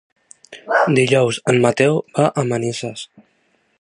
Dijous en Mateu va a Manises.